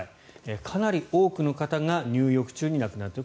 かなり多くの方が入浴中に亡くなっている。